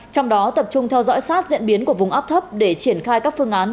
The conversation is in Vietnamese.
trong đó tập trung theo dõi sát diễn biến của vùng áp thấp để triển khai các phương án